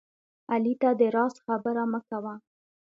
علي ته د راز خبره مه کوه